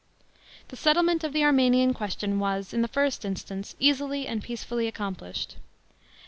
The settlement of the Armenian question was, in the first instance, easily and peacefully accomplished.